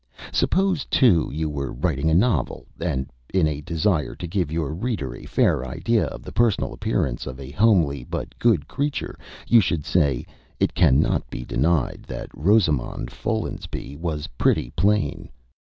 Suppose, too, you were writing a novel, and, in a desire to give your reader a fair idea of the personal appearance of a homely but good creature, you should say, 'It cannot be denied that Rosamond Follansbee was pretty plain?'